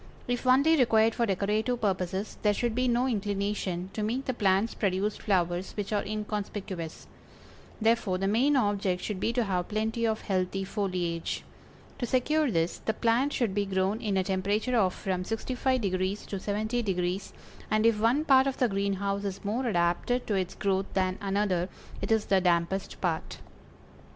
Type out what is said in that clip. If only required for decorative purposes there should be no inclination to make the plants produce flowers which are inconspicuous; therefore the main object should be to have plenty of healthy foliage. To secure this, the plant should be grown in a temperature of from 65° to 70°, and if one part of the greenhouse is more adapted to its growth than another, it is the dampest part.